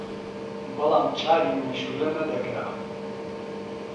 بەڵام چاری مێشوولە نەدەکرا